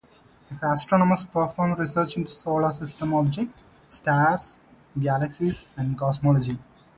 IfA astronomers perform research into solar system objects, stars, galaxies and cosmology.